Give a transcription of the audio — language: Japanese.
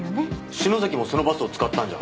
篠崎もそのバスを使ったんじゃ。